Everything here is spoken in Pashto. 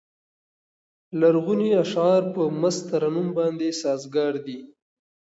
لرغوني اشعار په مست ترنم باندې سازګار دي.